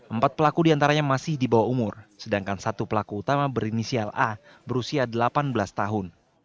empat pelaku diantaranya masih di bawah umur sedangkan satu pelaku utama berinisial a berusia delapan belas tahun